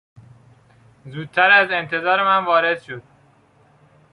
زودتر از انتظار من وارد شد.